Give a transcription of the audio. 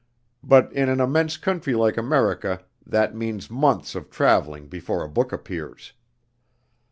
But in an immense country like America that means months of traveling before a book appears.